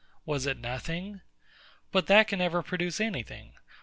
Was it Nothing? But that can never produce any thing.